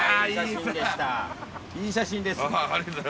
いい写真でした。